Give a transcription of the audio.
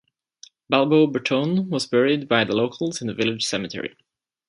Balbo Bertone was buried by the locals in the village cemetery.